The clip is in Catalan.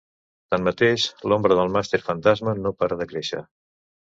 Tanmateix, l’ombra del màster fantasma no para de créixer.